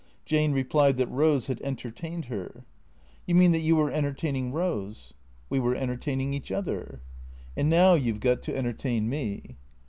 Jane replied that Hose had entertained her. " You mean that you were entertaining Eose ?"" We were entertaining each other." " And now you 've got to entertain me."